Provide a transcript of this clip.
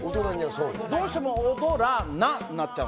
どうしても「踊らな損」ってなっちゃう。